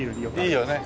いいよね。